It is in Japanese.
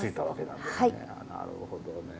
なるほどね。